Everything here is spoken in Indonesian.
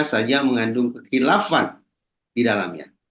saja mengandung kekilafan di dalamnya